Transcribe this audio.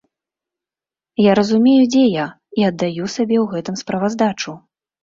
Я разумею, дзе я, і аддаю сабе ў гэтым справаздачу.